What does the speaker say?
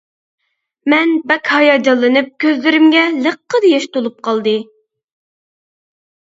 مەن بەك ھاياجانلىنىپ كۆزلىرىمگە لىققىدە ياش تولۇپ قالدى.